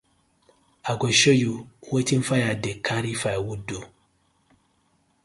I go show yu wetin fire dey karry firewood do.